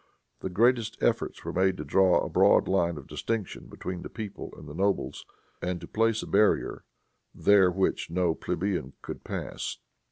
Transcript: The greatest efforts were made to draw a broad line of distinction between the people and the nobles, and to place a barrier there which no plebeian could pass.